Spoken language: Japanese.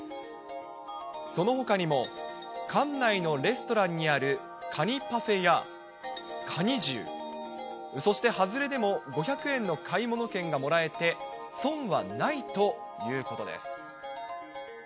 そのほかにも館内のレストランにあるカニパフェや、蟹重、そして外れでも５００円の買い物券がもらえて、損はないということです。